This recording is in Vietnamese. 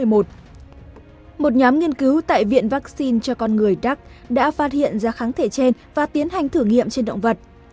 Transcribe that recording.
một nhóm nghiên cứu tại viện vaccine cho con người đắk đã phát hiện ra kháng thể trên và tiến hành thử nghiệm trên động vật